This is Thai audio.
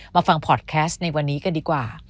มาฟังพอร์ตแคสต์ในวันนี้กันดีกว่า